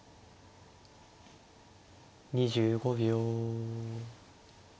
２５秒。